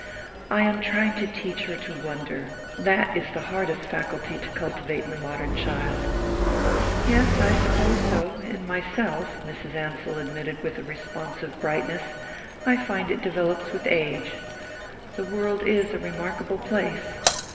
"I am trying to teach her to wonder: that is the hardest faculty to cultivate in the modern child." "Yes I suppose so; in myself," Mrs. Ansell admitted with a responsive brightness, "I find it develops with age. The world is a remarkable place."